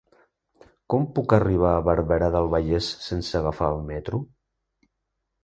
Com puc arribar a Barberà del Vallès sense agafar el metro?